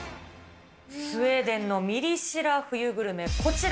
スウェーデンのミリ知ら冬グルメ、こちら。